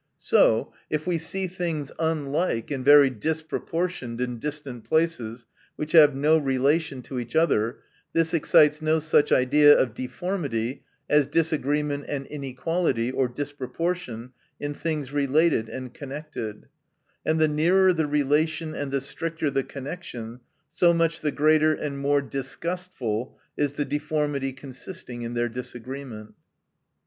So, if we see things unlike, and very disproportioned, in dis tant places, which have no relation to each other, this excites no such idea of deformity, as disagreement and inequality or disproportion in things related and connected : and the nearer the relation, and the stricter the connection, so much the greater and more disgustful is the deformity, consisting in their dis agreement.